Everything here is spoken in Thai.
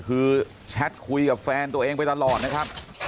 คือแชทคุยกับแฟนตัวเองไปตลอดนะครับ